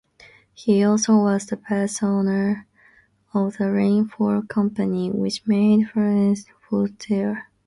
He also was the past owner of the Rainfair Company, which made protective footwear.